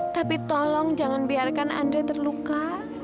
tapi tolong jangan biarkan andre terluka